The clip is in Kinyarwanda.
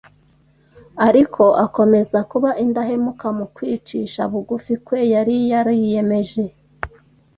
Ariko akomeza kuba indahemuka, mu kwicisha bugufi kwe yari yariyemeje